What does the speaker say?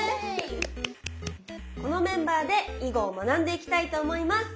このメンバーで囲碁を学んでいきたいと思います。